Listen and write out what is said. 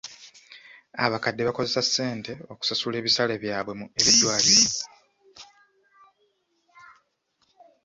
Abakadde bakozesa ssente okusasula ebisale byabwe eby'eddwaliro.